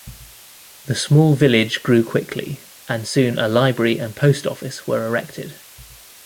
The small village grew quickly, and soon a library and post office were erected.